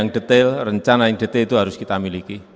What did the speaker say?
yang detail rencana yang detail itu harus kita miliki